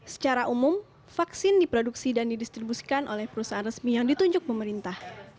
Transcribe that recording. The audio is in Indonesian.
secara umum vaksin diproduksi dan didistribusikan oleh perusahaan resmi yang ditunjuk pemerintah